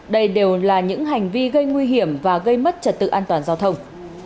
đây đều là những hành vi gây nguy hiểm và gây mất trật tự an toàn giao thông